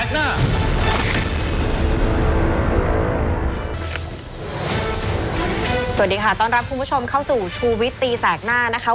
สวัสดีค่ะต้อนรับคุณผู้ชมเข้าสู่ชูวิตตีแสกหน้านะคะ